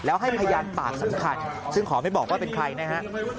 แล้วให้พยานปากสำคัญซึ่งขอไม่บอกว่าเป็นใครนะฮะ